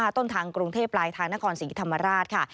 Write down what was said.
ต้นทางกรุงเทพปลายทางนครศรีธรรมราชค่ะ